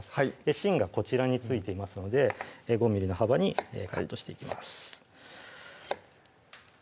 芯がこちらに付いていますので５ｍｍの幅にカットしていきます